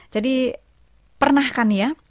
jadi pernah kan ya